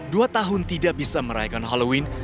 dua tahun tidak bisa meraihkan halloween